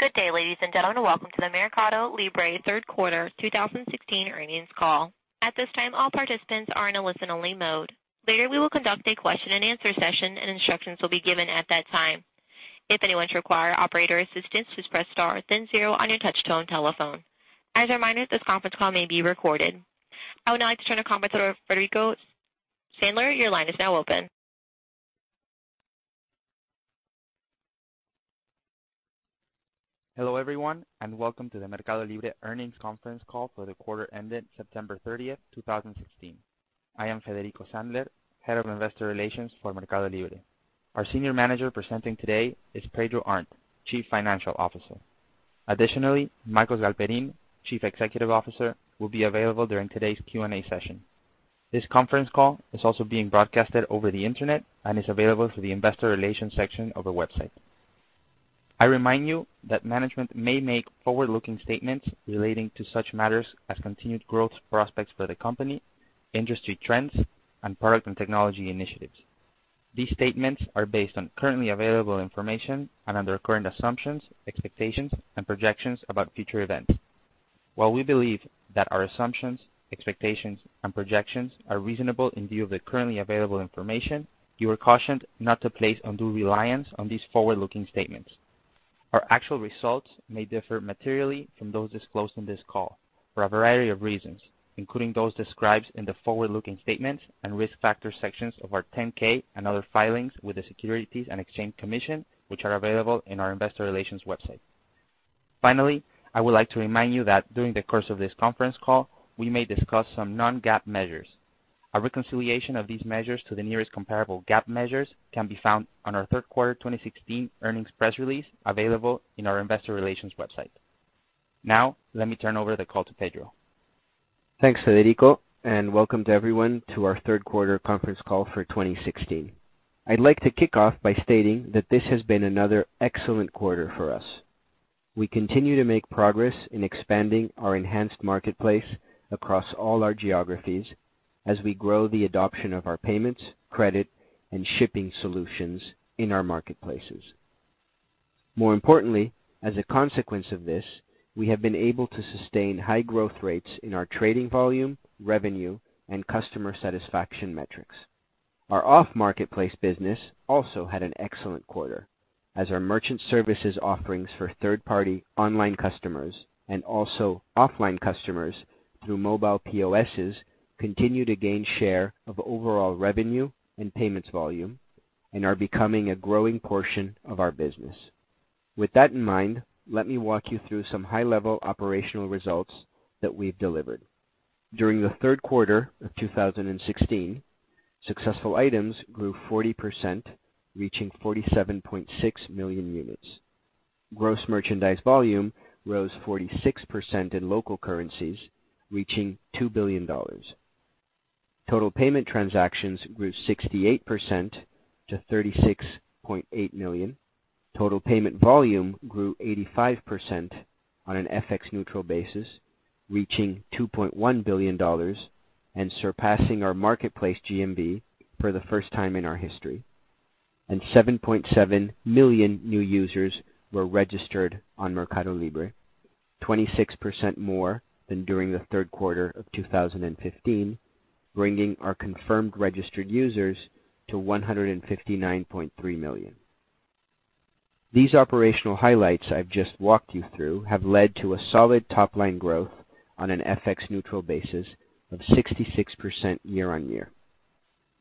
Good day, ladies and gentlemen. Welcome to the MercadoLibre Third Quarter 2016 Earnings Call. At this time, all participants are in a listen-only mode. Later, we will conduct a question-and-answer session, and instructions will be given at that time. If anyone requires operator assistance, please press star then zero on your touch-tone telephone. As a reminder, this conference call may be recorded. I would now like to turn the conference over to Federico Sandler. Your line is now open. Hello, everyone, and welcome to the MercadoLibre earnings conference call for the quarter ended September 30th, 2016. I am Federico Sandler, Head of Investor Relations for MercadoLibre. Our Senior Manager presenting today is Pedro Arnt, Chief Financial Officer. Additionally, Marcos Galperin, Chief Executive Officer, will be available during today's Q&A session. This conference call is also being broadcasted over the internet and is available through the investor relations section of the website. I remind you that management may make forward-looking statements relating to such matters as continued growth prospects for the company, industry trends, and product and technology initiatives. These statements are based on currently available information and under current assumptions, expectations, and projections about future events. While we believe that our assumptions, expectations, and projections are reasonable in view of the currently available information, you are cautioned not to place undue reliance on these forward-looking statements. Our actual results may differ materially from those disclosed on this call for a variety of reasons, including those described in the forward-looking statements and risk factor sections of our 10-K and other filings with the Securities and Exchange Commission, which are available on our investor relations website. Finally, I would like to remind you that during the course of this conference call, we may discuss some non-GAAP measures. A reconciliation of these measures to the nearest comparable GAAP measures can be found on our third quarter 2016 earnings press release, available on our investor relations website. Now, let me turn over the call to Pedro. Thanks, Federico, and welcome to everyone to our third quarter conference call for 2016. I'd like to kick off by stating that this has been another excellent quarter for us. We continue to make progress in expanding our enhanced marketplace across all our geographies as we grow the adoption of our payments, credit, and shipping solutions in our marketplaces. More importantly, as a consequence of this, we have been able to sustain high growth rates in our trading volume, revenue, and customer satisfaction metrics. Our off-marketplace business also had an excellent quarter as our merchant services offerings for third-party online customers and also offline customers through mobile POSs continue to gain share of overall revenue and payments volume and are becoming a growing portion of our business. With that in mind, let me walk you through some high-level operational results that we've delivered. During the third quarter of 2016, successful items grew 40%, reaching 47.6 million units. Gross merchandise volume rose 46% in local currencies, reaching $2 billion. Total payment transactions grew 68% to 36.8 million. Total payment volume grew 85% on an FX neutral basis, reaching $2.1 billion and surpassing our marketplace GMV for the first time in our history. Seven point seven million new users were registered on MercadoLibre, 26% more than during the third quarter of 2015, bringing our confirmed registered users to 159.3 million. These operational highlights I've just walked you through have led to a solid top-line growth on an FX neutral basis of 66% year-on-year.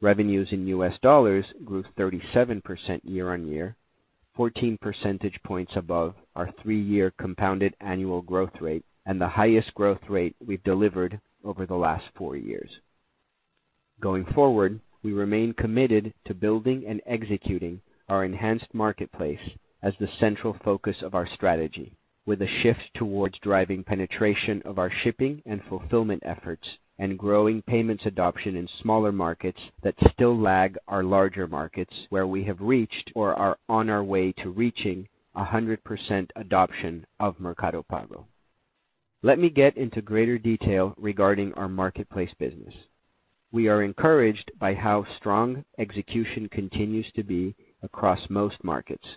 Revenues in U.S. dollars grew 37% year-on-year, 14 percentage points above our three-year compounded annual growth rate and the highest growth rate we've delivered over the last four years. Going forward, we remain committed to building and executing our enhanced marketplace as the central focus of our strategy, with a shift towards driving penetration of our shipping and fulfillment efforts and growing payments adoption in smaller markets that still lag our larger markets, where we have reached or are on our way to reaching 100% adoption of Mercado Pago. Let me get into greater detail regarding our marketplace business. We are encouraged by how strong execution continues to be across most markets.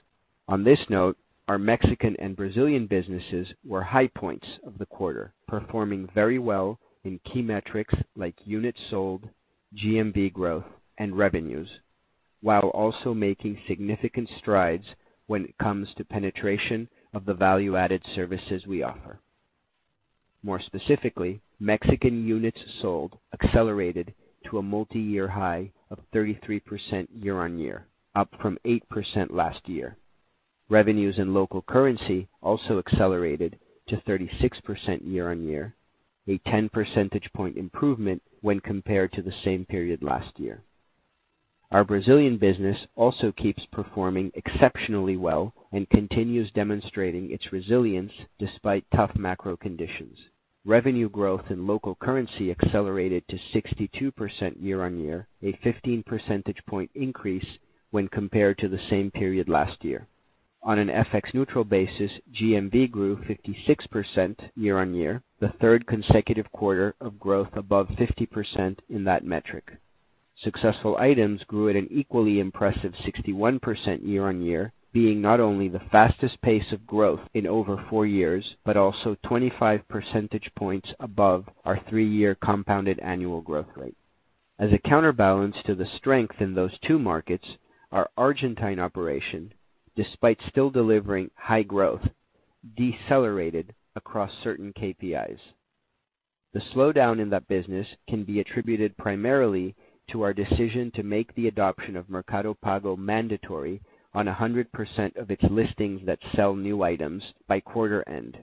On this note, our Mexican and Brazilian businesses were high points of the quarter, performing very well in key metrics like units sold, GMV growth, and revenues, while also making significant strides when it comes to penetration of the value-added services we offer. More specifically, Mexican units sold accelerated to a multi-year high of 33% year-on-year, up from 8% last year. Revenues in local currency also accelerated to 36% year-on-year, a 10 percentage point improvement when compared to the same period last year. Our Brazilian business also keeps performing exceptionally well and continues demonstrating its resilience despite tough macro conditions. Revenue growth in local currency accelerated to 62% year-on-year, a 15 percentage point increase when compared to the same period last year. On an FX neutral basis, GMV grew 56% year-on-year, the third consecutive quarter of growth above 50% in that metric. Successful items grew at an equally impressive 61% year-on-year, being not only the fastest pace of growth in over four years, but also 25 percentage points above our three-year compounded annual growth rate. As a counterbalance to the strength in those two markets, our Argentine operation, despite still delivering high growth, decelerated across certain KPIs. The slowdown in that business can be attributed primarily to our decision to make the adoption of Mercado Pago mandatory on 100% of its listings that sell new items by quarter end.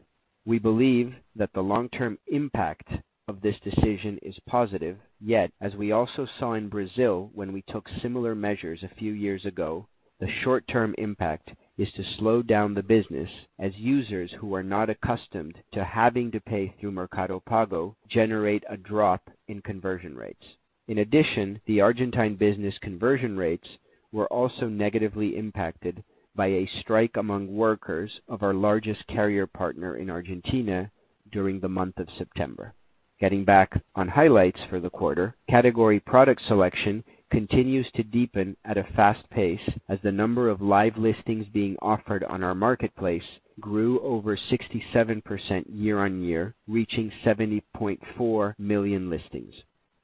We believe that the long-term impact of this decision is positive. Yet, as we also saw in Brazil when we took similar measures a few years ago, the short-term impact is to slow down the business as users who are not accustomed to having to pay through Mercado Pago generate a drop in conversion rates. In addition, the Argentine business conversion rates were also negatively impacted by a strike among workers of our largest carrier partner in Argentina during the month of September. Getting back on highlights for the quarter, category product selection continues to deepen at a fast pace as the number of live listings being offered on our marketplace grew over 67% year-over-year, reaching 70.4 million listings.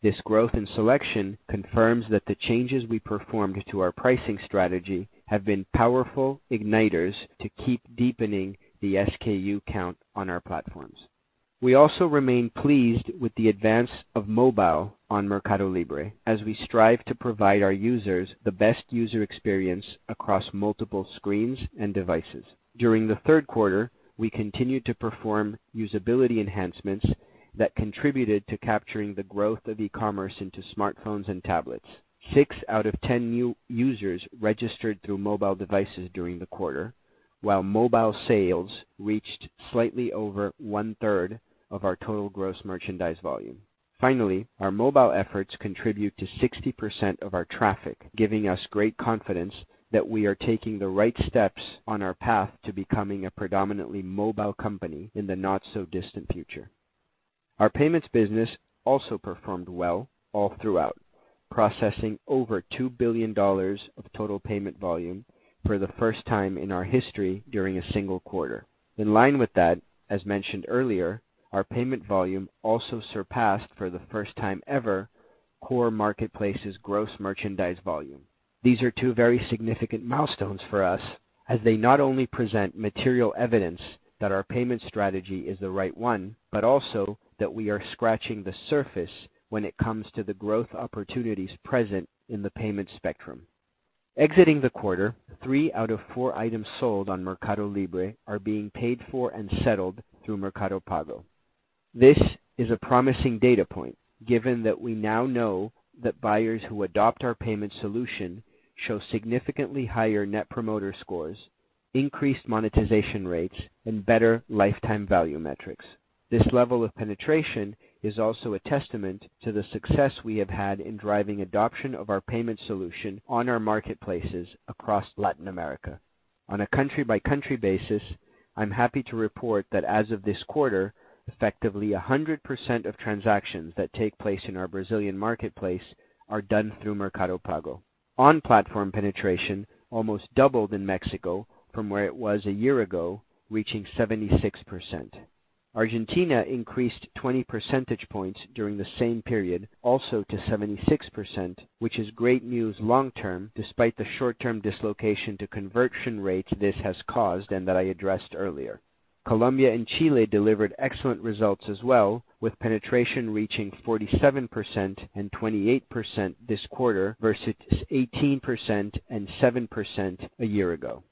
This growth in selection confirms that the changes we performed to our pricing strategy have been powerful igniters to keep deepening the SKU count on our platforms. We also remain pleased with the advance of mobile on MercadoLibre as we strive to provide our users the best user experience across multiple screens and devices. During the third quarter, we continued to perform usability enhancements that contributed to capturing the growth of e-commerce into smartphones and tablets. Six out of 10 new users registered through mobile devices during the quarter, while mobile sales reached slightly over one-third of our total gross merchandise volume. Our mobile efforts contribute to 60% of our traffic, giving us great confidence that we are taking the right steps on our path to becoming a predominantly mobile company in the not-so-distant future. Our payments business also performed well all throughout, processing over $2 billion of total payment volume for the first time in our history during a single quarter. In line with that, as mentioned earlier, our payment volume also surpassed, for the first time ever, core marketplace's gross merchandise volume. These are two very significant milestones for us as they not only present material evidence that our payment strategy is the right one, but also that we are scratching the surface when it comes to the growth opportunities present in the payment spectrum. Exiting the quarter, three out of four items sold on MercadoLibre are being paid for and settled through Mercado Pago. This is a promising data point, given that we now know that buyers who adopt our payment solution show significantly higher Net Promoter Scores, increased monetization rates, and better lifetime value metrics. This level of penetration is also a testament to the success we have had in driving adoption of our payment solution on our marketplaces across Latin America. On a country-by-country basis, I'm happy to report that as of this quarter, effectively 100% of transactions that take place in our Brazilian marketplace are done through Mercado Pago. On-platform penetration almost doubled in Mexico from where it was a year ago, reaching 76%. Argentina increased 20 percentage points during the same period, also to 76%, which is great news long-term despite the short-term dislocation to conversion rates this has caused and that I addressed earlier. Colombia and Chile delivered excellent results as well, with penetration reaching 47% and 28% this quarter versus 18% and 7% a year ago.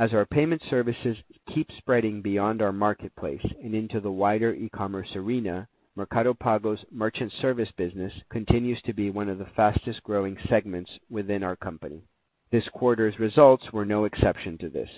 As our payment services keep spreading beyond our marketplace and into the wider e-commerce arena, Mercado Pago's merchant service business continues to be one of the fastest-growing segments within our company. This quarter's results were no exception to this.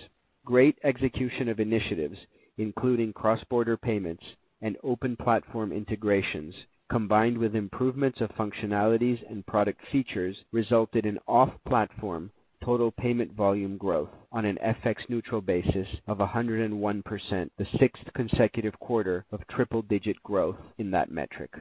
Great execution of initiatives, including cross-border payments and open platform integrations, combined with improvements of functionalities and product features, resulted in off-platform total payment volume growth on an FX-neutral basis of 101%, the sixth consecutive quarter of triple-digit growth in that metric.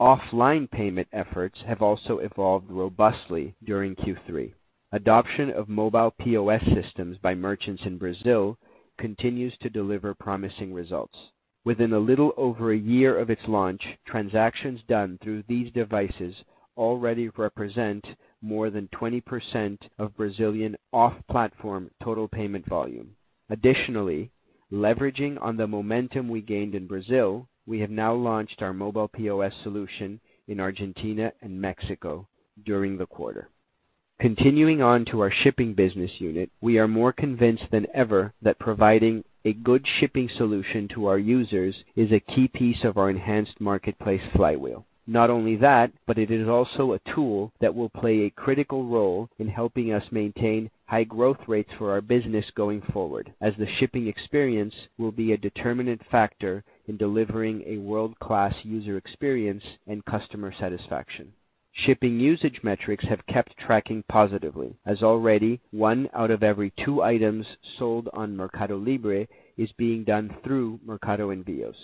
Offline payment efforts have also evolved robustly during Q3. Adoption of mobile POS systems by merchants in Brazil continues to deliver promising results. Within a little over a year of its launch, transactions done through these devices already represent more than 20% of Brazilian off-platform total payment volume. Additionally, leveraging on the momentum we gained in Brazil, we have now launched our mobile POS solution in Argentina and Mexico during the quarter. Continuing on to our shipping business unit, we are more convinced than ever that providing a good shipping solution to our users is a key piece of our enhanced marketplace flywheel. Not only that, but it is also a tool that will play a critical role in helping us maintain high growth rates for our business going forward, as the shipping experience will be a determinant factor in delivering a world-class user experience and customer satisfaction. Shipping usage metrics have kept tracking positively, as already one out of every two items sold on MercadoLibre is being done through Mercado Envios.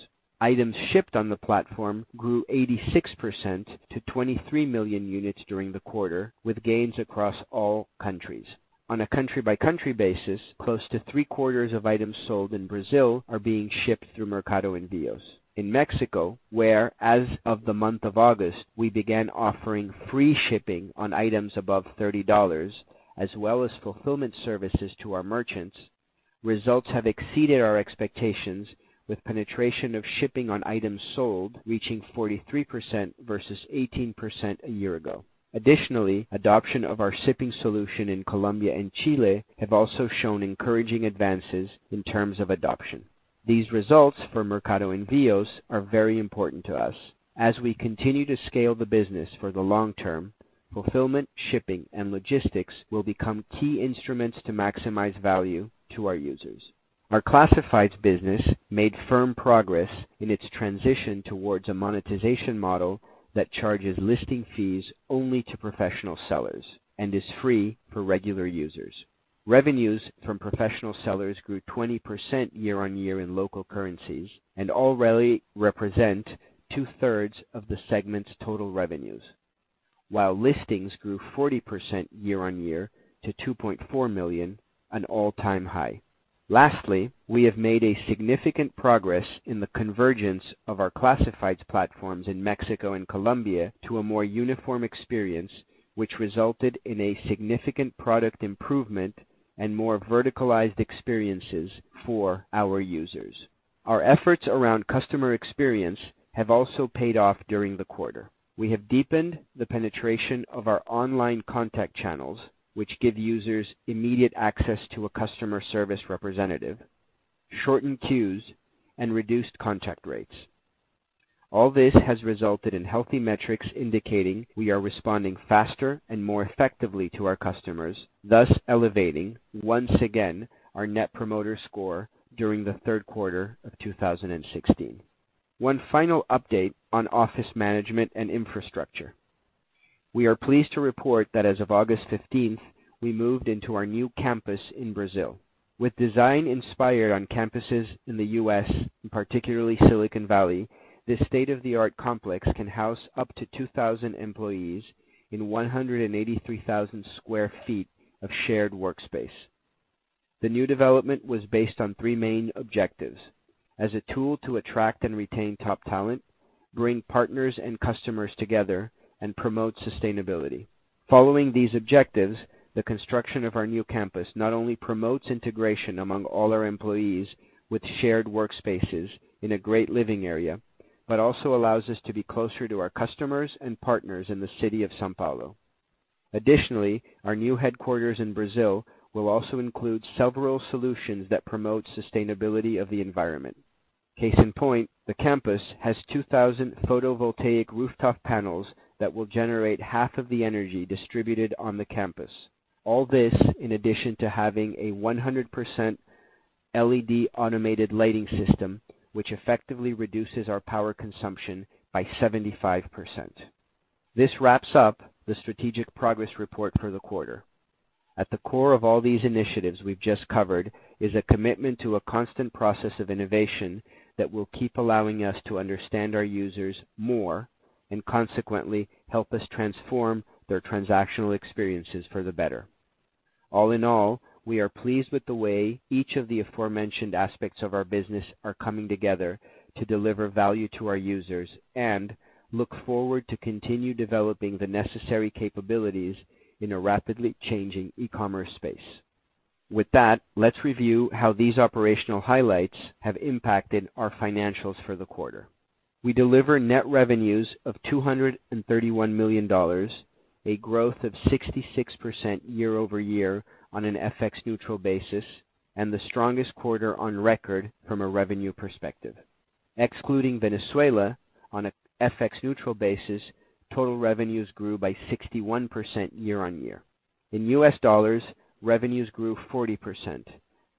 Items shipped on the platform grew 86% to 23 million units during the quarter, with gains across all countries. On a country-by-country basis, close to three-quarters of items sold in Brazil are being shipped through Mercado Envios. In Mexico, where, as of the month of August, we began offering free shipping on items above $30, as well as fulfillment services to our merchants, results have exceeded our expectations, with penetration of shipping on items sold reaching 43% versus 18% a year ago. Additionally, adoption of our shipping solution in Colombia and Chile have also shown encouraging advances in terms of adoption. These results for Mercado Envios are very important to us. As we continue to scale the business for the long term, fulfillment, shipping, and logistics will become key instruments to maximize value to our users. Our classifieds business made firm progress in its transition towards a monetization model that charges listing fees only to professional sellers and is free for regular users. Revenues from professional sellers grew 20% year-on-year in local currencies and already represent two-thirds of the segment's total revenues, while listings grew 40% year-on-year to 2.4 million, an all-time high. Lastly, we have made significant progress in the convergence of our classifieds platforms in Mexico and Colombia to a more uniform experience, which resulted in a significant product improvement and more verticalized experiences for our users. Our efforts around customer experience have also paid off during the quarter. We have deepened the penetration of our online contact channels, which give users immediate access to a customer service representative, shortened queues, and reduced contact rates. All this has resulted in healthy metrics indicating we are responding faster and more effectively to our customers, thus elevating, once again, our net promoter score during the third quarter of 2016. One final update on office management and infrastructure. We are pleased to report that as of August 15th, we moved into our new campus in Brazil. With design inspired on campuses in the U.S., and particularly Silicon Valley, this state-of-the-art complex can house up to 2,000 employees in 183,000 sq ft of shared workspace. The new development was based on three main objectives: as a tool to attract and retain top talent, bring partners and customers together, and promote sustainability. Following these objectives, the construction of our new campus not only promotes integration among all our employees with shared workspaces in a great living area, but also allows us to be closer to our customers and partners in the city of São Paulo. Additionally, our new headquarters in Brazil will also include several solutions that promote sustainability of the environment. Case in point, the campus has 2,000 photovoltaic rooftop panels that will generate half of the energy distributed on the campus. All this in addition to having a 100% LED automated lighting system, which effectively reduces our power consumption by 75%. This wraps up the strategic progress report for the quarter. At the core of all these initiatives we've just covered is a commitment to a constant process of innovation that will keep allowing us to understand our users more and consequently help us transform their transactional experiences for the better. All in all, we are pleased with the way each of the aforementioned aspects of our business are coming together to deliver value to our users and look forward to continue developing the necessary capabilities in a rapidly changing e-commerce space. With that, let's review how these operational highlights have impacted our financials for the quarter. We delivered net revenues of $231 million, a growth of 66% year-over-year on an FX neutral basis, and the strongest quarter on record from a revenue perspective. Excluding Venezuela on an FX neutral basis, total revenues grew by 61% year-on-year. In US dollars, revenues grew 40%,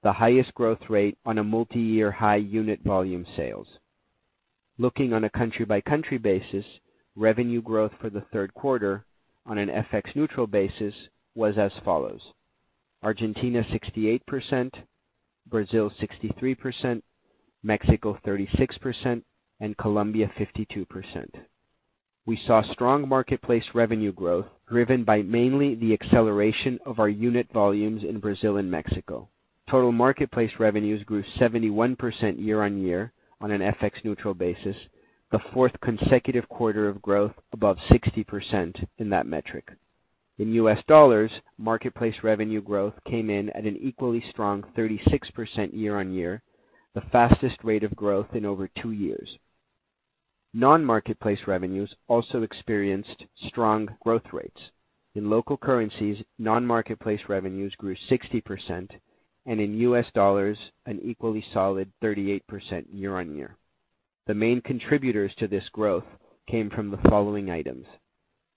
the highest growth rate on a multi-year high unit volume sales. Looking on a country-by-country basis, revenue growth for the third quarter on an FX neutral basis was as follows: Argentina 68%, Brazil 63%, Mexico 36%, and Colombia 52%. We saw strong marketplace revenue growth driven by mainly the acceleration of our unit volumes in Brazil and Mexico. Total marketplace revenues grew 71% year-on-year on an FX neutral basis, the fourth consecutive quarter of growth above 60% in that metric. In US dollars, marketplace revenue growth came in at an equally strong 36% year-on-year, the fastest rate of growth in over two years. Non-marketplace revenues also experienced strong growth rates. In local currencies, non-marketplace revenues grew 60%, and in US dollars, an equally solid 38% year-on-year. The main contributors to this growth came from the following items.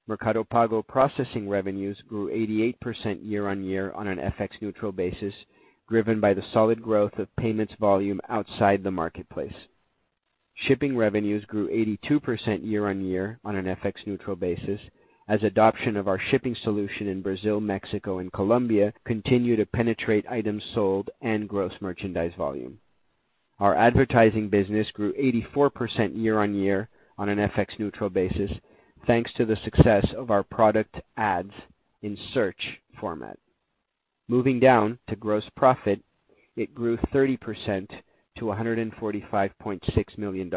Mercado Pago processing revenues grew 88% year-on-year on an FX neutral basis, driven by the solid growth of payments volume outside the marketplace. Shipping revenues grew 82% year-on-year on an FX neutral basis as adoption of our shipping solution in Brazil, Mexico, and Colombia continue to penetrate items sold and gross merchandise volume. Our advertising business grew 84% year-on-year on an FX neutral basis, thanks to the success of our product ads in search format. Moving down to gross profit, it grew 30% to $145.6 million.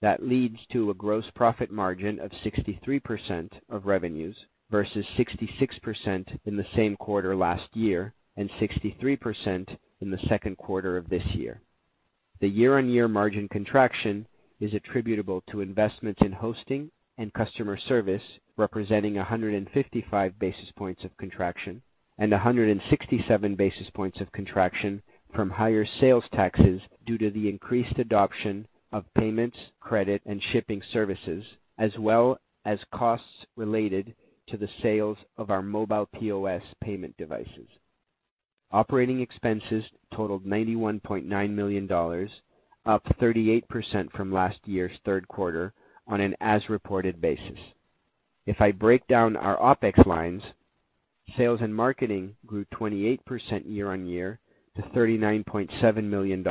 That leads to a gross profit margin of 63% of revenues versus 66% in the same quarter last year, and 63% in the second quarter of this year. The year-over-year margin contraction is attributable to investments in hosting and customer service, representing 155 basis points of contraction and 167 basis points of contraction from higher sales taxes due to the increased adoption of payments, credit, and shipping services, as well as costs related to the sales of our mobile POS payment devices. Operating expenses totaled $91.9 million, up 38% from last year's third quarter on an as-reported basis. If I break down our OPEX lines, sales and marketing grew 28% year-over-year to $39.7 million,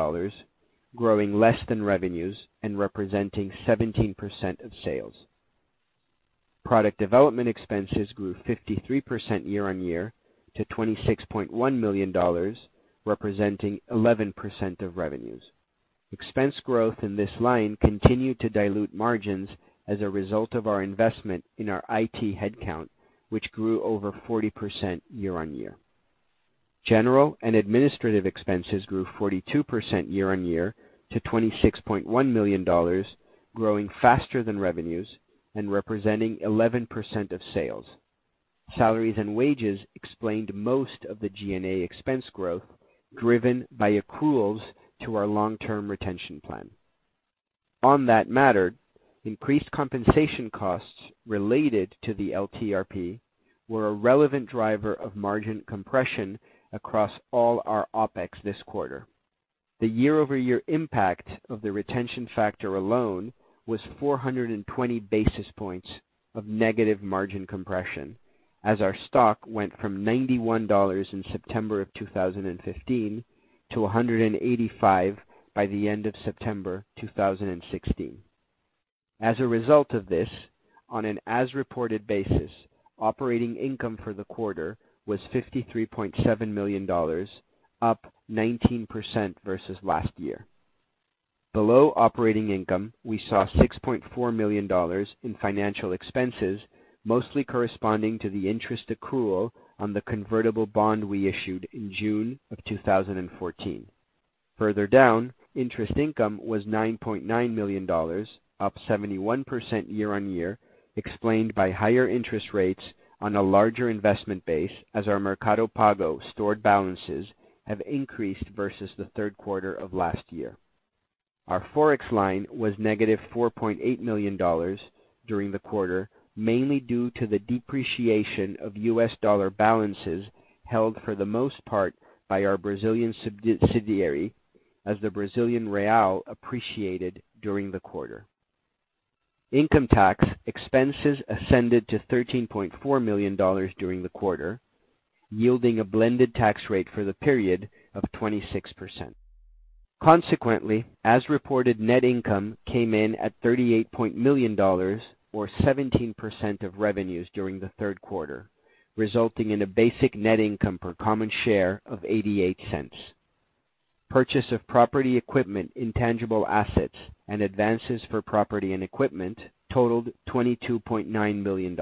growing less than revenues and representing 17% of sales. Product development expenses grew 53% year-over-year to $26.1 million, representing 11% of revenues. Expense growth in this line continued to dilute margins as a result of our investment in our IT headcount, which grew over 40% year-over-year. General and administrative expenses grew 42% year-over-year to $26.1 million, growing faster than revenues and representing 11% of sales. Salaries and wages explained most of the G&A expense growth, driven by accruals to our long-term retention plan. On that matter, increased compensation costs related to the LTRP were a relevant driver of margin compression across all our OPEX this quarter. The year-over-year impact of the retention factor alone was 420 basis points of negative margin compression, as our stock went from $91 in September of 2015 to $185 by the end of September 2016. As a result of this, on an as-reported basis, operating income for the quarter was $53.7 million, up 19% versus last year. Below operating income, we saw $6.4 million in financial expenses, mostly corresponding to the interest accrual on the convertible bond we issued in June of 2014. Further down, interest income was $9.9 million, up 71% year-over-year, explained by higher interest rates on a larger investment base as our Mercado Pago stored balances have increased versus the third quarter of last year. Our Forex line was negative $4.8 million during the quarter, mainly due to the depreciation of US dollar balances held for the most part by our Brazilian subsidiary as the Brazilian real appreciated during the quarter. Income tax expenses ascended to $13.4 million during the quarter, yielding a blended tax rate for the period of 26%. Consequently, as-reported net income came in at $38 million, or 17% of revenues during the third quarter, resulting in a basic net income per common share of $0.88. Purchase of property equipment, intangible assets, and advances for property and equipment totaled $22.9 million.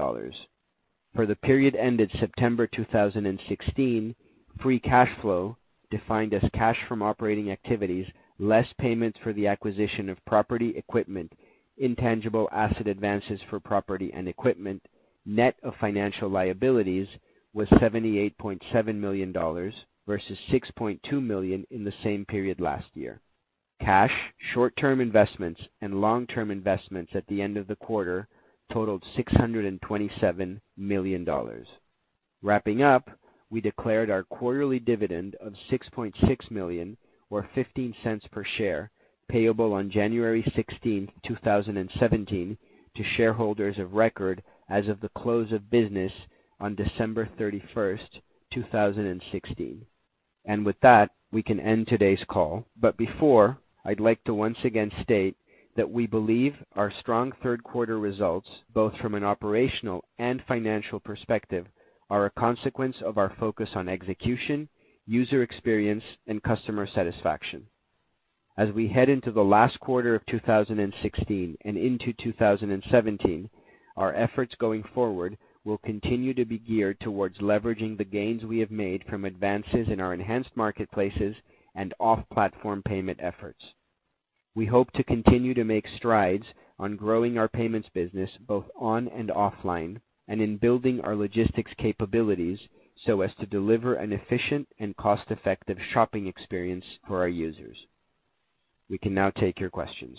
For the period ended September 2016, free cash flow, defined as cash from operating activities, less payments for the acquisition of property, equipment, intangible asset advances for property and equipment, net of financial liabilities, was $78.7 million versus $6.2 million in the same period last year. Cash, short-term investments, and long-term investments at the end of the quarter totaled $627 million. Wrapping up, we declared our quarterly dividend of $6.6 million, or $0.15 per share, payable on January 16th, 2017, to shareholders of record as of the close of business on December 31st, 2016. With that, we can end today's call. Before, I'd like to once again state that we believe our strong third quarter results, both from an operational and financial perspective, are a consequence of our focus on execution, user experience, and customer satisfaction. As we head into the last quarter of 2016 and into 2017, our efforts going forward will continue to be geared towards leveraging the gains we have made from advances in our enhanced marketplaces and off-platform payment efforts. We hope to continue to make strides on growing our payments business both on and offline, and in building our logistics capabilities so as to deliver an efficient and cost-effective shopping experience for our users. We can now take your questions.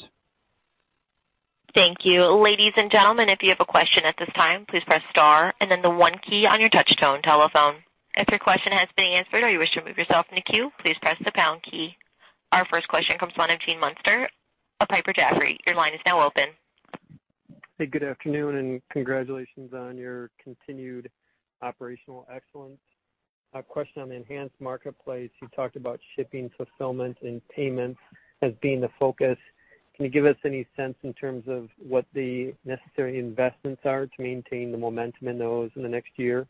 Thank you. Ladies and gentlemen, if you have a question at this time, please press star and then the one key on your touch-tone telephone. If your question has been answered or you wish to move yourself in the queue, please press the pound key. Our first question comes from Gene Munster of Piper Jaffray. Your line is now open. Hey, good afternoon, and congratulations on your continued operational excellence. A question on the enhanced marketplace. You talked about shipping, fulfillment, and payments as being the focus. Can you give us any sense in terms of what the necessary investments are to maintain the momentum in those in the next year?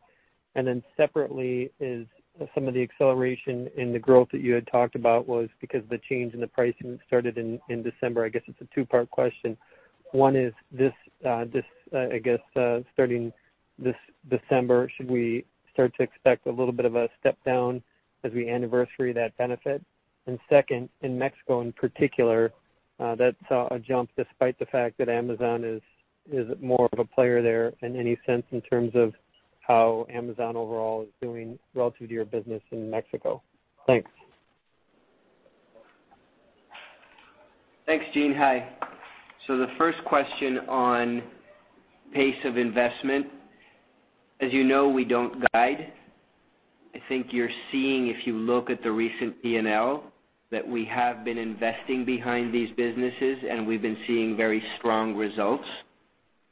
Separately is some of the acceleration in the growth that you had talked about was because the change in the pricing started in December. I guess it's a two-part question. One is, I guess starting this December, should we start to expect a little bit of a step down as we anniversary that benefit? And second, in Mexico in particular, that saw a jump despite the fact that Amazon is more of a player there in any sense in terms of how Amazon overall is doing relative to your business in Mexico. Thanks. Thanks, Gene. Hi. The first question on pace of investment. As you know, we don't guide. I think you're seeing, if you look at the recent P&L, that we have been investing behind these businesses, and we've been seeing very strong results.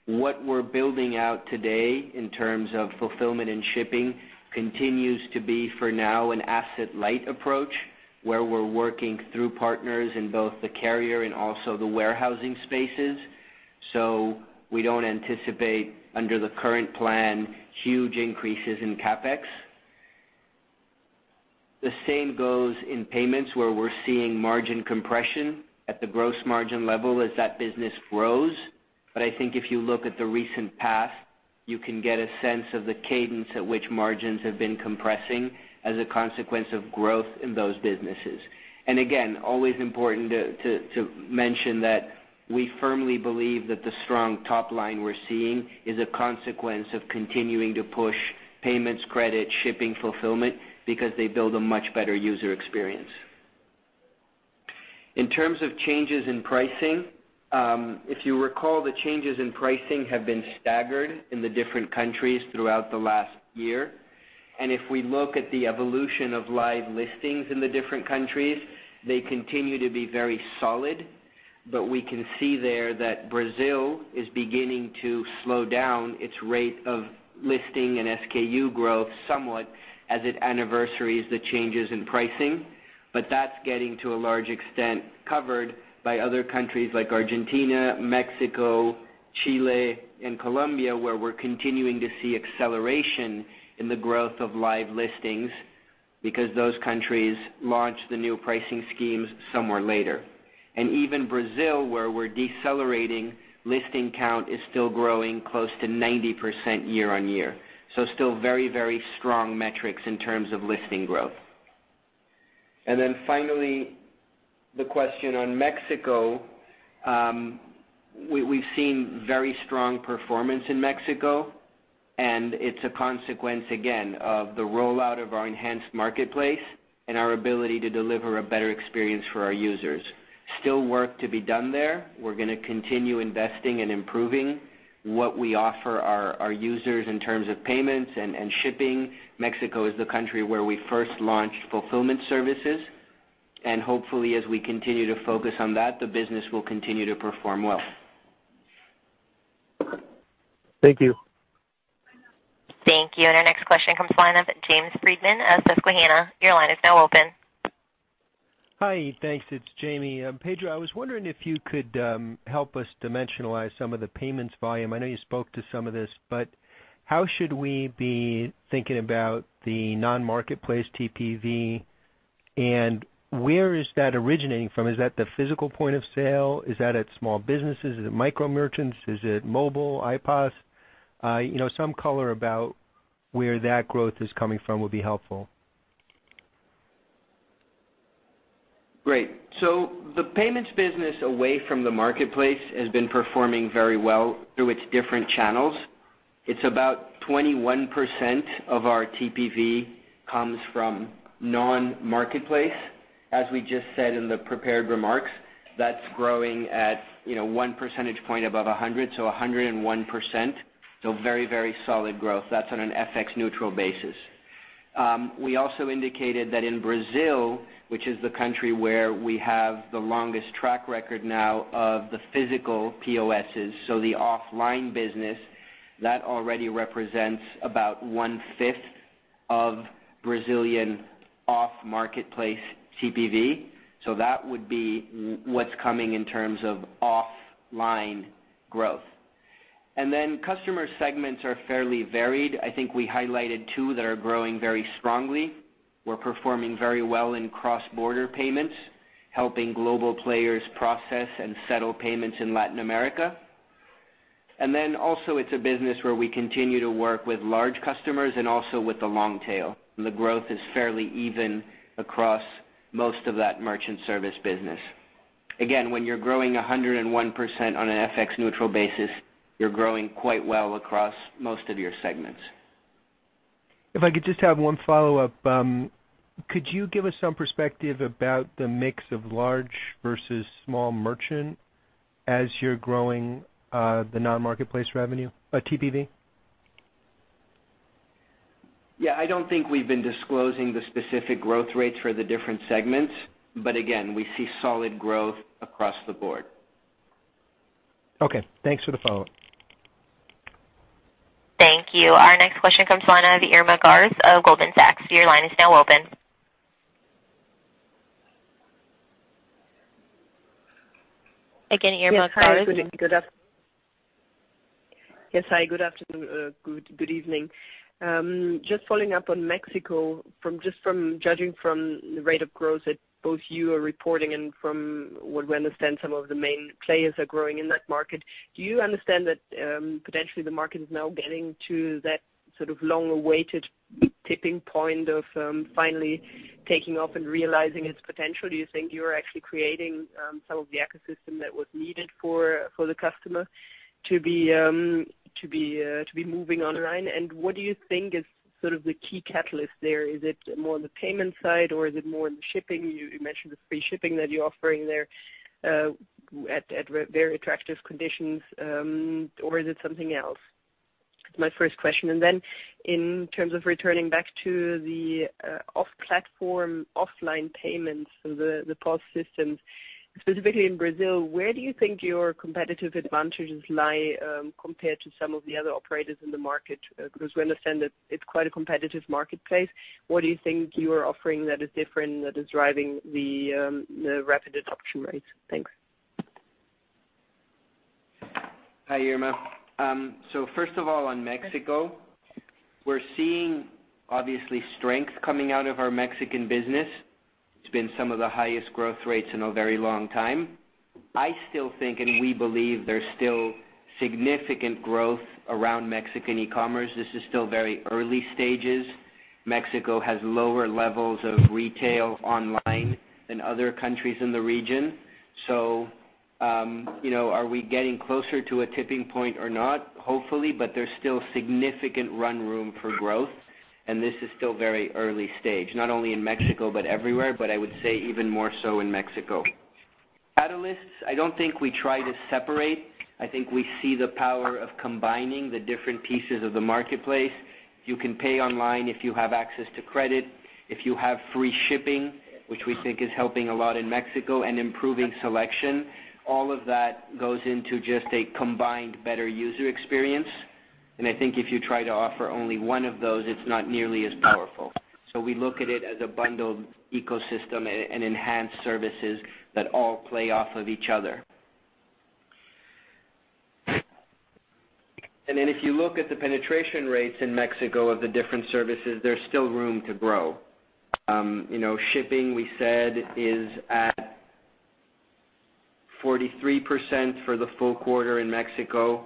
What we're building out today in terms of fulfillment and shipping continues to be, for now, an asset-light approach, where we're working through partners in both the carrier and also the warehousing spaces. We don't anticipate, under the current plan, huge increases in CapEx. The same goes in payments, where we're seeing margin compression at the gross margin level as that business grows. I think if you look at the recent past, you can get a sense of the cadence at which margins have been compressing as a consequence of growth in those businesses. Again, always important to mention that we firmly believe that the strong top line we are seeing is a consequence of continuing to push payments, credit, shipping, fulfillment, because they build a much better user experience. In terms of changes in pricing, if you recall, the changes in pricing have been staggered in the different countries throughout the last year. If we look at the evolution of live listings in the different countries, they continue to be very solid. We can see there that Brazil is beginning to slow down its rate of listing and SKU growth somewhat as it anniversaries the changes in pricing. That's getting, to a large extent, covered by other countries like Argentina, Mexico, Chile, and Colombia, where we are continuing to see acceleration in the growth of live listings because those countries launched the new pricing schemes somewhere later. Even Brazil, where we are decelerating, listing count is still growing close to 90% year-over-year. Still very, very strong metrics in terms of listing growth. Finally, the question on Mexico. We have seen very strong performance in Mexico, and it is a consequence, again, of the rollout of our enhanced marketplace and our ability to deliver a better experience for our users. Still work to be done there. We are going to continue investing and improving what we offer our users in terms of payments and shipping. Mexico is the country where we first launched fulfillment services, and hopefully, as we continue to focus on that, the business will continue to perform well. Thank you. Thank you. Our next question comes line of James Friedman of Susquehanna. Your line is now open. Hi. Thanks. It's Jamie. Pedro, I was wondering if you could help us dimensionalize some of the payments volume. I know you spoke to some of this, but how should we be thinking about the non-marketplace TPV, and where is that originating from? Is that the physical point of sale? Is that at small businesses? Is it micro merchants? Is it mobile, in-app? Some color about where that growth is coming from would be helpful. Great. The payments business away from the marketplace has been performing very well through its different channels. It's about 21% of our TPV comes from non-marketplace. As we just said in the prepared remarks, that's growing at one percentage point above 100, so 101%. Very, very solid growth. That's on an FX neutral basis. We also indicated that in Brazil, which is the country where we have the longest track record now of the physical POSs, so the offline business, that already represents about one-fifth of Brazilian off-marketplace TPV. That would be what's coming in terms of offline growth. Customer segments are fairly varied. I think we highlighted two that are growing very strongly. We're performing very well in cross-border payments, helping global players process and settle payments in Latin America. Also it's a business where we continue to work with large customers and also with the long tail. The growth is fairly even across most of that merchant service business. Again, when you're growing 101% on an FX neutral basis, you're growing quite well across most of your segments. If I could just have one follow-up. Could you give us some perspective about the mix of large versus small merchant as you're growing the non-marketplace TPV? Yeah, I don't think we've been disclosing the specific growth rates for the different segments, but again, we see solid growth across the board. Okay. Thanks for the follow-up. Thank you. Our next question comes the line of the Irma Sgarz of Goldman Sachs. Your line is now open. Again, Irma Sgarz. Yes. Hi. Good afternoon. Good evening. Just following up on Mexico, just from judging from the rate of growth that both you are reporting and from what we understand some of the main players are growing in that market, do you understand that potentially the market is now getting to that sort of long-awaited tipping point of finally taking off and realizing its potential? Do you think you're actually creating some of the ecosystem that was needed for the customer to be moving online? What do you think is sort of the key catalyst there? Is it more on the payment side or is it more on the shipping? You mentioned the free shipping that you're offering there at very attractive conditions. Is it something else? That's my first question. In terms of returning back to the off-platform offline payments, so the POS systems, specifically in Brazil, where do you think your competitive advantages lie compared to some of the other operators in the market? Because we understand that it's quite a competitive marketplace. What do you think you are offering that is different that is driving the rapid adoption rates? Thanks. Hi, Irma. First of all, on Mexico, we're seeing obviously strength coming out of our Mexican business. It's been some of the highest growth rates in a very long time. I still think, and we believe there's still significant growth around Mexican e-commerce. This is still very early stages. Mexico has lower levels of retail online than other countries in the region. Are we getting closer to a tipping point or not? Hopefully, but there's still significant run room for growth, and this is still very early stage, not only in Mexico but everywhere, but I would say even more so in Mexico. Catalysts, I don't think we try to separate. I think we see the power of combining the different pieces of the marketplace. You can pay online if you have access to credit. If you have free shipping, which we think is helping a lot in Mexico and improving selection, all of that goes into just a combined better user experience. I think if you try to offer only one of those, it's not nearly as powerful. We look at it as a bundled ecosystem and enhanced services that all play off of each other. If you look at the penetration rates in Mexico of the different services, there's still room to grow. Shipping, we said is at 43% for the full quarter in Mexico.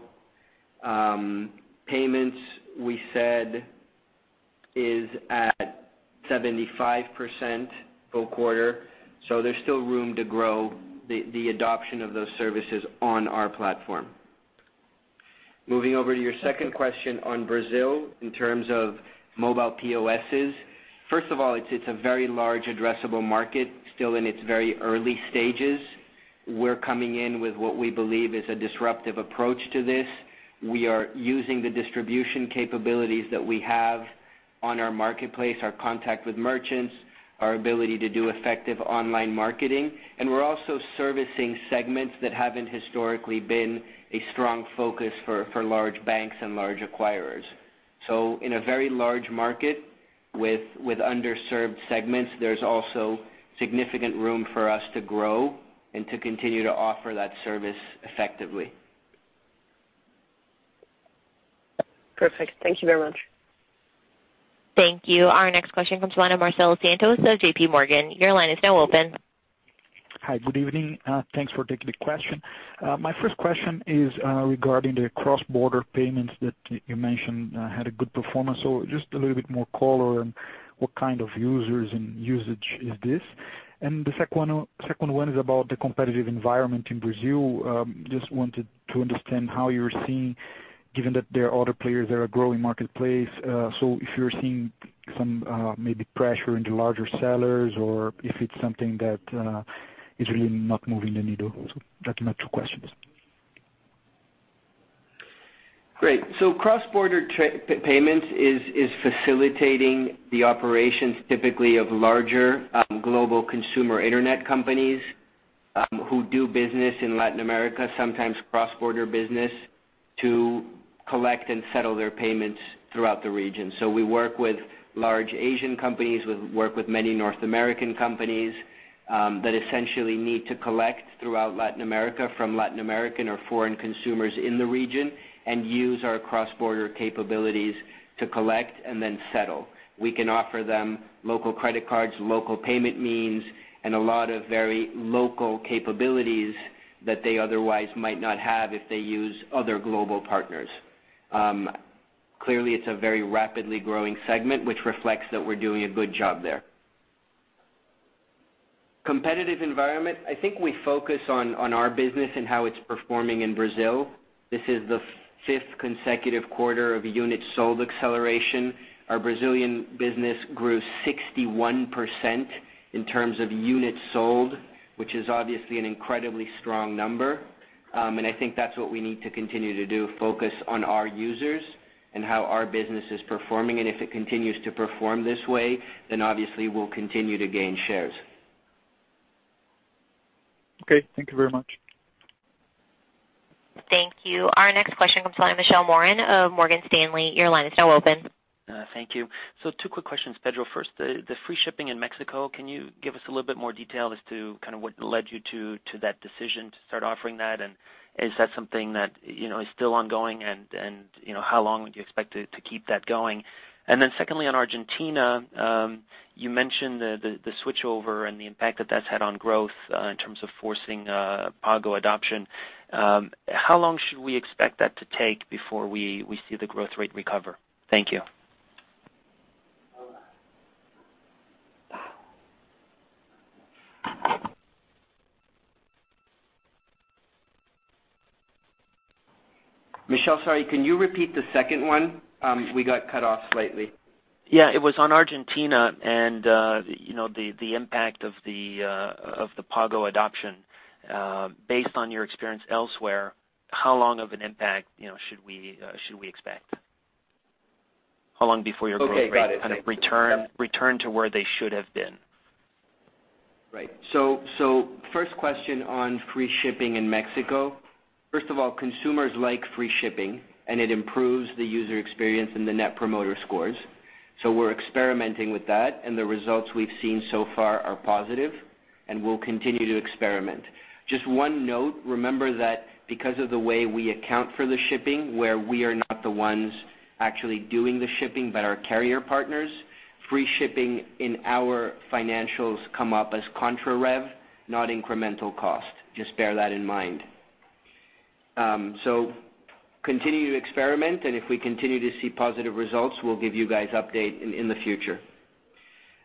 Payments, we said is at 75% full quarter. There's still room to grow the adoption of those services on our platform. Moving over to your second question on Brazil in terms of mobile POSs. First of all, it's a very large addressable market still in its very early stages. We're coming in with what we believe is a disruptive approach to this. We are using the distribution capabilities that we have on our marketplace, our contact with merchants, our ability to do effective online marketing. We're also servicing segments that haven't historically been a strong focus for large banks and large acquirers. In a very large market with underserved segments, there's also significant room for us to grow and to continue to offer that service effectively. Perfect. Thank you very much. Thank you. Our next question comes from the line of Marcelo Santos of JP Morgan. Your line is now open. Hi, good evening. Thanks for taking the question. My first question is regarding the cross-border payments that you mentioned had a good performance. Just a little bit more color and what kind of users and usage is this? The second one is about the competitive environment in Brazil. Just wanted to understand how you're seeing, given that there are other players that are growing marketplace, if you're seeing some maybe pressure into larger sellers or if it's something that is really not moving the needle. Those are my two questions. Great. Cross-border payments is facilitating the operations typically of larger global consumer internet companies who do business in Latin America, sometimes cross-border business to collect and settle their payments throughout the region. We work with large Asian companies. We work with many North American companies that essentially need to collect throughout Latin America from Latin American or foreign consumers in the region and use our cross-border capabilities to collect and then settle. We can offer them local credit cards, local payment means, and a lot of very local capabilities that they otherwise might not have if they use other global partners. It's a very rapidly growing segment, which reflects that we're doing a good job there. Competitive environment, I think we focus on our business and how it's performing in Brazil. This is the fifth consecutive quarter of unit sold acceleration. Our Brazilian business grew 61% in terms of units sold, which is obviously an incredibly strong number. I think that's what we need to continue to do, focus on our users and how our business is performing. If it continues to perform this way, obviously we'll continue to gain shares. Okay, thank you very much. Thank you. Our next question comes from Michel Morin of Morgan Stanley. Your line is now open. Thank you. Two quick questions, Pedro. First, the free shipping in Mexico, can you give us a little bit more detail as to what led you to that decision to start offering that, is that something that is still ongoing, and how long would you expect to keep that going? Secondly, on Argentina, you mentioned the switchover and the impact that that's had on growth in terms of forcing Pago adoption. How long should we expect that to take before we see the growth rate recover? Thank you. Michel, sorry, can you repeat the second one? We got cut off slightly. Yeah. It was on Argentina and the impact of the Pago adoption. Based on your experience elsewhere, how long of an impact should we expect? How long before your growth- Okay, got it. rate return to where they should have been. Right. First question on free shipping in Mexico. First of all, consumers like free shipping, and it improves the user experience and the Net Promoter Scores. We're experimenting with that, and the results we've seen so far are positive, and we'll continue to experiment. Just one note, remember that because of the way we account for the shipping, where we are not the ones actually doing the shipping, but our carrier partners, free shipping in our financials come up as contra-rev, not incremental cost. Just bear that in mind. Continue to experiment, and if we continue to see positive results, we'll give you guys update in the future.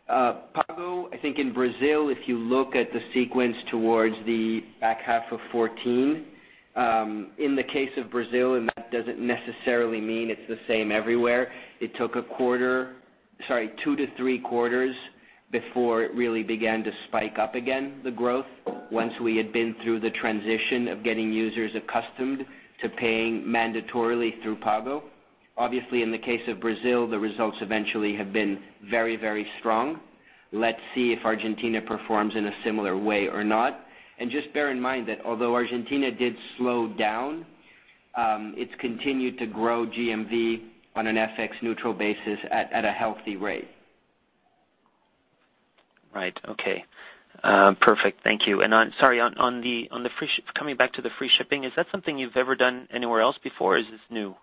Pago, I think in Brazil, if you look at the sequence towards the back half of 2014, in the case of Brazil, and that doesn't necessarily mean it's the same everywhere, it took two to three quarters before it really began to spike up again, the growth, once we had been through the transition of getting users accustomed to paying mandatorily through Pago. Obviously, in the case of Brazil, the results eventually have been very strong. Let's see if Argentina performs in a similar way or not. Just bear in mind that although Argentina did slow down, it's continued to grow GMV on an FX neutral basis at a healthy rate. Right. Okay. Perfect. Thank you. Sorry, coming back to the free shipping, is that something you've ever done anywhere else before, or is this new?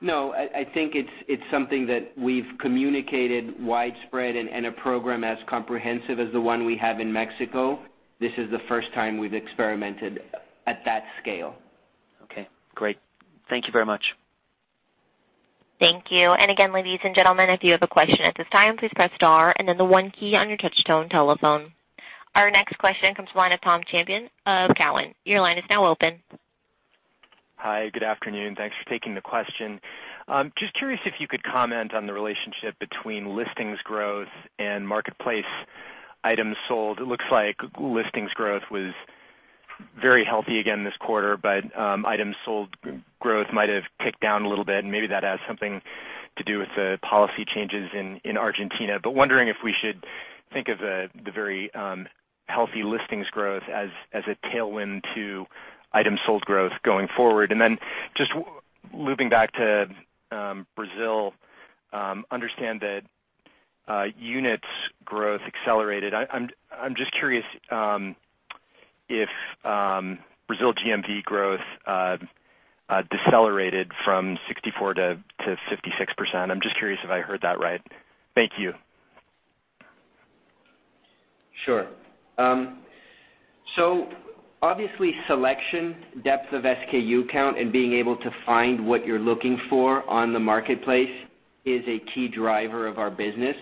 No, I think it's something that we've communicated widespread, and a program as comprehensive as the one we have in Mexico, this is the first time we've experimented at that scale. Okay, great. Thank you very much. Thank you. Again, ladies and gentlemen, if you have a question at this time, please press star and then the one key on your touch-tone telephone. Our next question comes from the line of Tom Champion of Cowen. Your line is now open. Hi, good afternoon. Thanks for taking the question. Just curious if you could comment on the relationship between listings growth and marketplace items sold. It looks like listings growth was very healthy again this quarter, but items sold growth might have ticked down a little bit, and maybe that has something to do with the policy changes in Argentina. Wondering if we should think of the very healthy listings growth as a tailwind to items sold growth going forward. Then just looping back to Brazil, understand that units growth accelerated. I'm just curious if Brazil GMV growth decelerated from 64%-56%. I'm just curious if I heard that right. Thank you. Sure. Obviously, selection, depth of SKU count, and being able to find what you're looking for on the marketplace is a key driver of our business.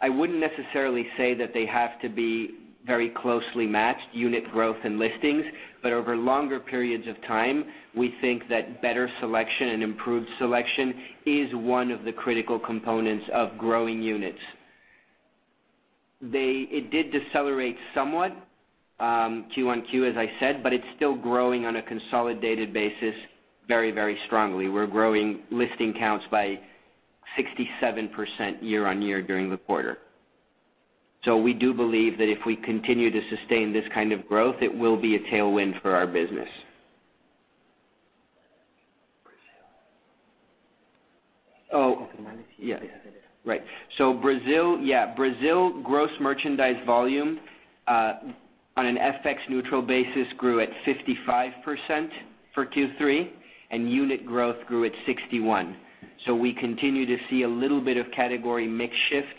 I wouldn't necessarily say that they have to be very closely matched, unit growth and listings, but over longer periods of time, we think that better selection and improved selection is one of the critical components of growing units. It did decelerate somewhat Q1Q, as I said, but it's still growing on a consolidated basis very strongly. We're growing listing counts by 67% year-over-year during the quarter. We do believe that if we continue to sustain this kind of growth, it will be a tailwind for our business. Brazil gross merchandise volume on an FX neutral basis grew at 55% for Q3, and unit growth grew at 61%. We continue to see a little bit of category mix shift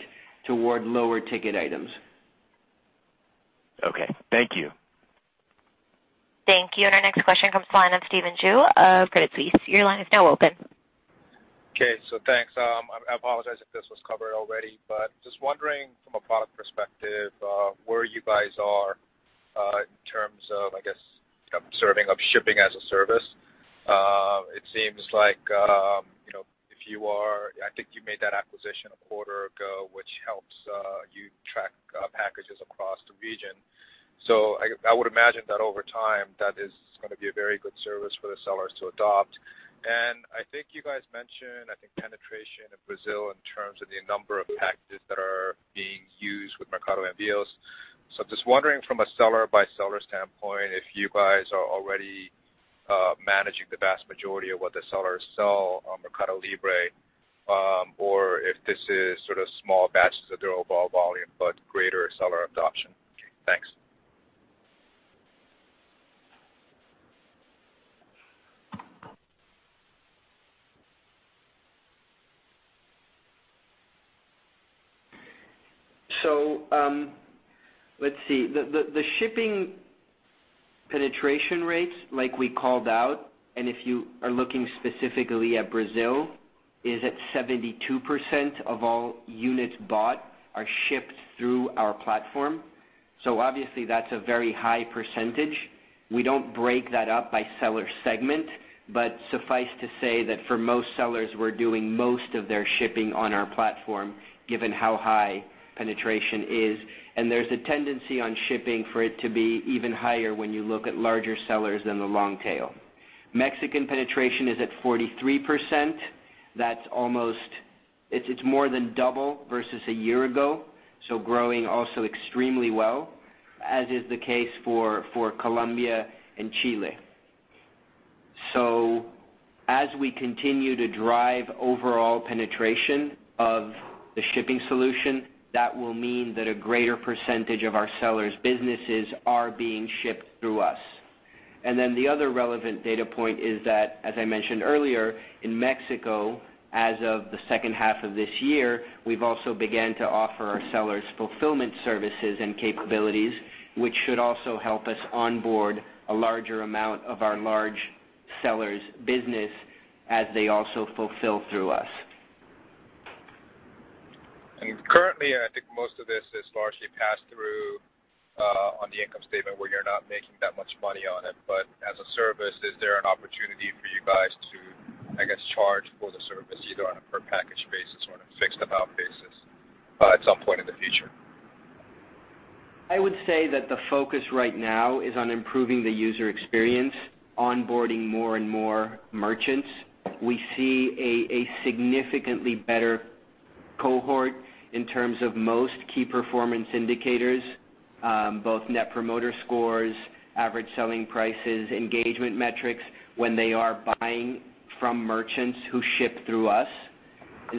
toward lower ticket items. Okay. Thank you. Thank you. Our next question comes from the line of Stephen Ju of Credit Suisse. Your line is now open. Okay. Thanks. I apologize if this was covered already, but just wondering from a product perspective, where you guys are in terms of, I guess, serving up shipping as a service. It seems like, I think you made that acquisition a quarter ago, which helps you track packages across the region. I would imagine that over time, that is going to be a very good service for the sellers to adopt. I think you guys mentioned, I think penetration in Brazil in terms of the number of packages that are being used with Mercado Envios. Just wondering from a seller by seller standpoint, if you guys are already managing the vast majority of what the sellers sell on MercadoLibre, or if this is sort of small batches of their overall volume, but greater seller adoption. Okay, thanks. Let's see. The shipping penetration rates, like we called out, and if you are looking specifically at Brazil, is at 72% of all units bought are shipped through our platform. Obviously, that's a very high percentage. We don't break that up by seller segment, but suffice to say that for most sellers, we're doing most of their shipping on our platform, given how high penetration is. There's a tendency on shipping for it to be even higher when you look at larger sellers than the long tail. Mexican penetration is at 43%. It's more than double versus a year ago, growing also extremely well, as is the case for Colombia and Chile. As we continue to drive overall penetration of the shipping solution, that will mean that a greater percentage of our sellers' businesses are being shipped through us. The other relevant data point is that, as I mentioned earlier, in Mexico, as of the second half of this year, we've also began to offer our sellers fulfillment services and capabilities, which should also help us onboard a larger amount of our large sellers' business as they also fulfill through us. Currently, I think most of this is largely passed through, on the income statement where you're not making that much money on it. As a service, is there an opportunity for you guys to, I guess, charge for the service either on a per package basis or on a fixed amount basis, at some point in the future? I would say that the focus right now is on improving the user experience, onboarding more and more merchants. We see a significantly better cohort in terms of most key performance indicators, both Net Promoter Scores, average selling prices, engagement metrics when they are buying from merchants who ship through us.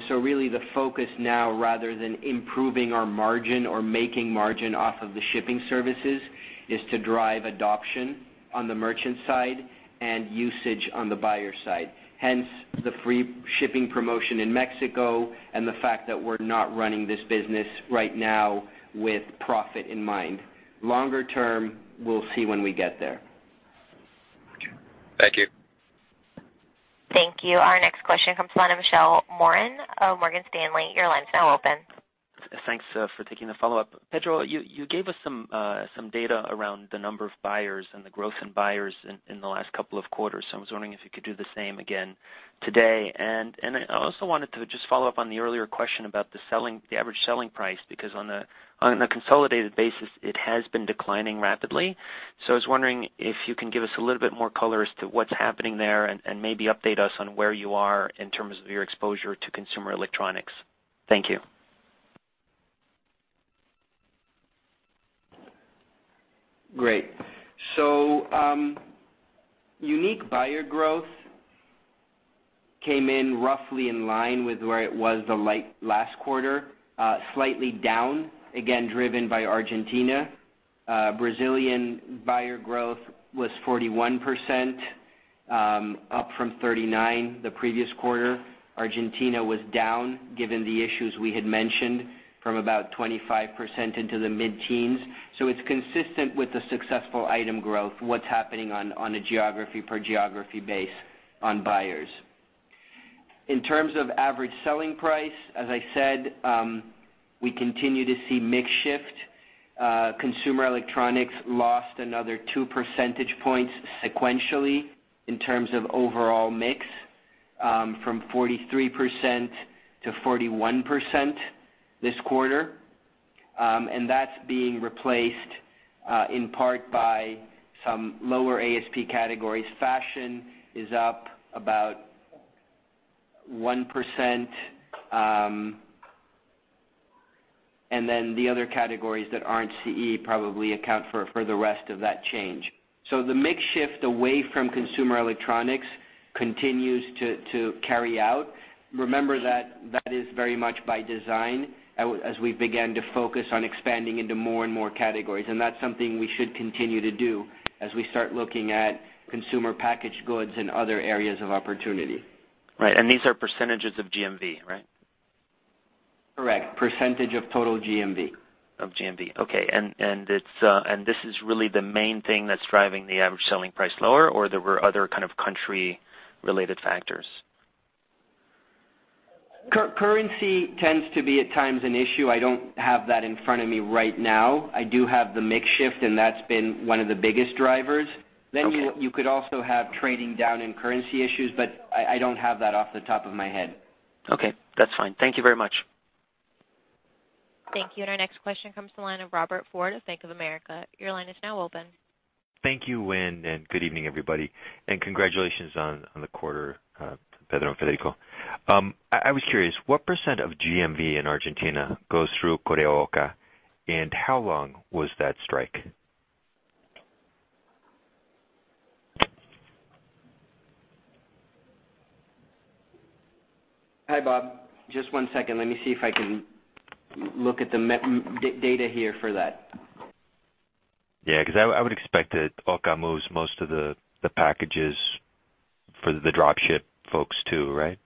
Really the focus now, rather than improving our margin or making margin off of the shipping services, is to drive adoption on the merchant side and usage on the buyer side. Hence, the free shipping promotion in Mexico and the fact that we're not running this business right now with profit in mind. Longer term, we'll see when we get there. Thank you. Thank you. Our next question comes from the line of Michel Morin of Morgan Stanley. Your line's now open. Thanks for taking the follow-up. Pedro, you gave us some data around the number of buyers and the growth in buyers in the last couple of quarters. I was wondering if you could do the same again today. I also wanted to just follow up on the earlier question about the average selling price, because on a consolidated basis, it has been declining rapidly. I was wondering if you can give us a little bit more color as to what's happening there and maybe update us on where you are in terms of your exposure to consumer electronics. Thank you. Great. Unique buyer growth came in roughly in line with where it was the last quarter, slightly down, again, driven by Argentina. Brazilian buyer growth was 41%, up from 39% the previous quarter. Argentina was down, given the issues we had mentioned, from about 25% into the mid-teens. It's consistent with the successful item growth, what's happening on a geography per geography base on buyers. In terms of average selling price, as I said, we continue to see mix shift. Consumer electronics lost another two percentage points sequentially in terms of overall mix, from 43% to 41% this quarter. That's being replaced in part by some lower ASP categories. Fashion is up about 1%, and then the other categories that aren't CE probably account for the rest of that change. The mix shift away from consumer electronics continues to carry out. Remember that that is very much by design as we began to focus on expanding into more and more categories. That's something we should continue to do as we start looking at consumer packaged goods and other areas of opportunity. Right. These are % of GMV, right? Correct. % of total GMV. Of GMV. Okay. This is really the main thing that's driving the average selling price lower, or there were other kind of country-related factors? Currency tends to be at times an issue. I don't have that in front of me right now. I do have the mix shift, and that's been one of the biggest drivers. Okay. You could also have trading down and currency issues, but I don't have that off the top of my head. Okay. That's fine. Thank you very much. Thank you. Our next question comes to the line of Robert Ford of Bank of America. Your line is now open. Thank you, Wynn, good evening, everybody. Congratulations on the quarter, Pedro and Federico. I was curious, what % of GMV in Argentina goes through Correo OCA? How long was that strike? Hi, Bob. Just one second. Let me see if I can look at the data here for that. Yeah, because I would expect that OCA moves most of the packages for the drop ship folks too, right?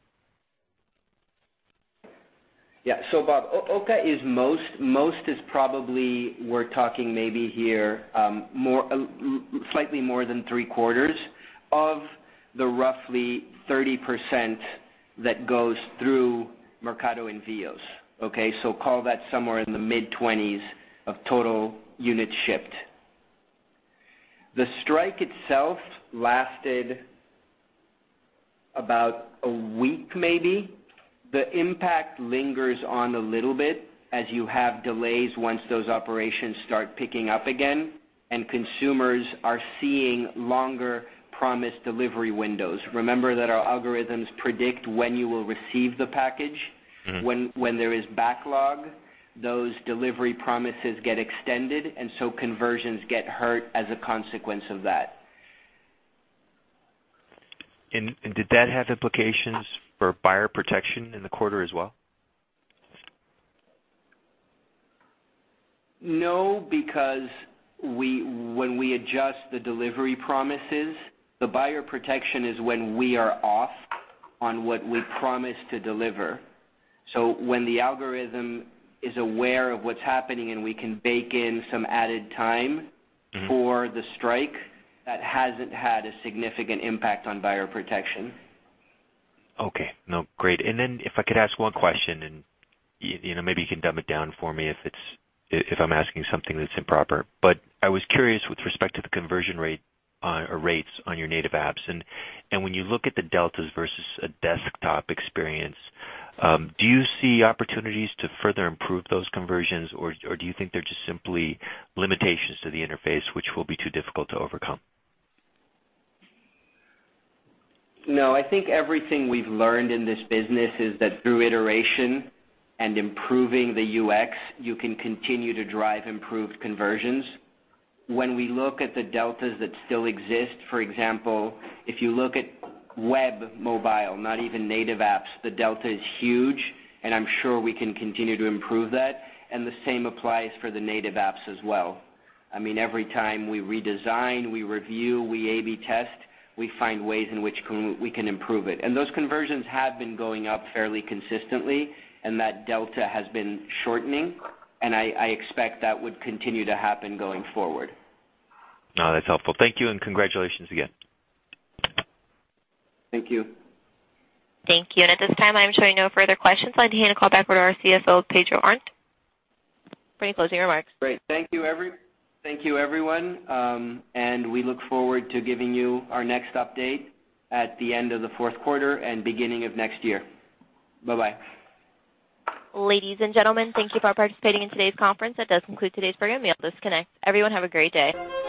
Yeah. Bob, OCA is most, probably we're talking maybe here slightly more than three-quarters of the roughly 30% that goes through Mercado Envios, okay? Call that somewhere in the mid-20s of total units shipped. The strike itself lasted about a week maybe. The impact lingers on a little bit as you have delays once those operations start picking up again, and consumers are seeing longer promised delivery windows. Remember that our algorithms predict when you will receive the package. When there is backlog, those delivery promises get extended, conversions get hurt as a consequence of that. Did that have implications for buyer protection in the quarter as well? No, because when we adjust the delivery promises, the buyer protection is when we are off on what we promise to deliver. When the algorithm is aware of what's happening, and we can bake in some added time. For the strike, that hasn't had a significant impact on buyer protection. Okay. No, great. If I could ask one question, and maybe you can dumb it down for me if I'm asking something that's improper. I was curious with respect to the conversion rate or rates on your native apps. When you look at the deltas versus a desktop experience, do you see opportunities to further improve those conversions, or do you think they're just simply limitations to the interface which will be too difficult to overcome? No. I think everything we've learned in this business is that through iteration and improving the UX, you can continue to drive improved conversions. When we look at the deltas that still exist, for example, if you look at web mobile, not even native apps, the delta is huge, and I'm sure we can continue to improve that. The same applies for the native apps as well. Every time we redesign, we review, we A/B test, we find ways in which we can improve it. Those conversions have been going up fairly consistently, and that delta has been shortening, and I expect that would continue to happen going forward. No, that's helpful. Thank you, and congratulations again. Thank you. Thank you. At this time, I'm showing no further questions. I'd like to hand the call back over to our CFO, Pedro Arnt for any closing remarks. Great. Thank you, everyone. We look forward to giving you our next update at the end of the fourth quarter and beginning of next year. Bye-bye. Ladies and gentlemen, thank you for participating in today's conference. That does conclude today's program. You may disconnect. Everyone have a great day.